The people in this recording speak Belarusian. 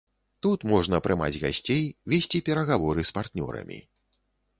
Тут можна прымаць гасцей, весці перагаворы з партнёрамі.